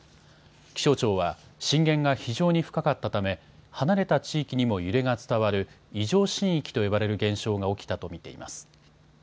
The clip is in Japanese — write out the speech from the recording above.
気象庁は震源が非常に深かったため離れた地域にも揺れが伝わる異常震域と呼ばれる現象が起きたと見ています。